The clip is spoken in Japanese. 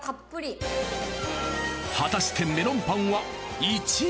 果たしてメロンパンは頼む！